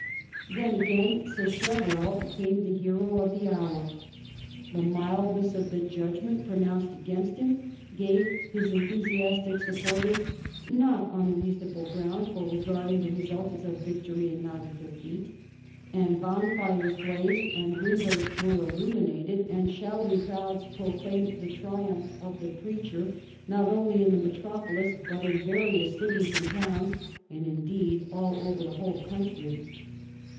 Then once again Sacheverell became the hero of the hour. The mildness of the judgment pronounced against him gave his enthusiastic supporters not un reasonable ground for regarding the result as a victory and not a defeat, and bonfires blazed and windows were illuminated and shouting crowds proclaimed the triumph of the preacher, not only in the metropolis, but in various cities and towns, and, indeed, all over the whole country.